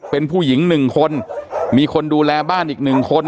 เป็นผู้หญิง๑คนมีคนดูแลบ้านอีกหนึ่งคน